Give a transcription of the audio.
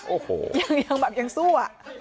โอ้โหยังแบบยังสู้อะ